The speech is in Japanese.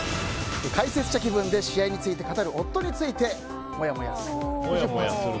解説者気分で試合について語る夫についてモヤモヤする？